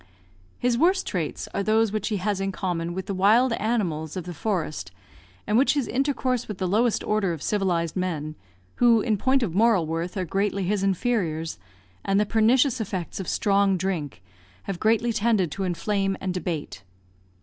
His worst traits are those which he has in common with the wild animals of the forest, and which his intercourse with the lowest order of civilised men (who, in point of moral worth, are greatly his inferiors), and the pernicious effects of strong drink, have greatly tended to inflame and debate.